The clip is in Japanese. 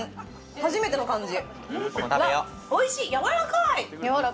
初めての感じ。